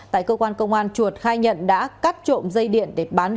tại cơ quan công an chuột khai nhận đã cắt trộm dây điện để bán